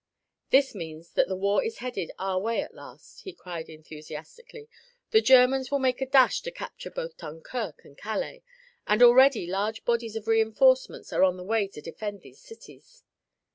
"This means that the war is headed our way at last!" he cried enthusiastically. "The Germans will make a dash to capture both Dunkirk and Calais, and already large bodies of reinforcements are on the way to defend these cities."